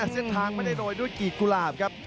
เส้นทางไม่ได้โรยด้วยกีดกุหลาบครับ